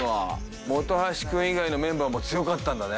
本橋君以外のメンバーも強かったんだね。